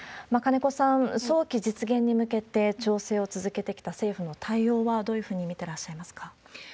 金子さん、早期実現に向けて調整を続けてきた政府の対応はどういうふうに見てらっしゃいますか？